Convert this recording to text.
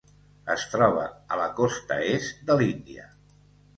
Es troba a la costa est de l'Índia.